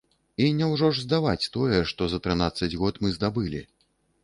І няўжо ж здаваць тое, што за трынаццаць год мы здабылі.